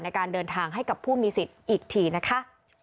ในการเดินทางให้กับผู้มีสิทธิ์อีกทีนะคะ